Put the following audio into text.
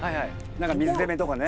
何か水攻めとかね。